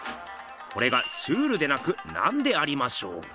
これがシュールでなくなんでありましょう？